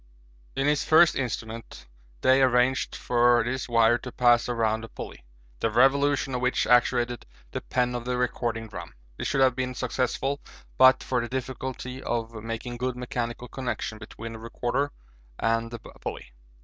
In his first instrument Day arranged for this wire to pass around a pulley, the revolution of which actuated the pen of the recording drum. This should have been successful but for the difficulty of making good mechanical connection between the recorder and the pulley.